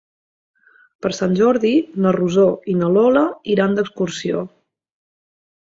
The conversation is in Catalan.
Per Sant Jordi na Rosó i na Lola iran d'excursió.